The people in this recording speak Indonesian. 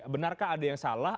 benarkah ada yang salah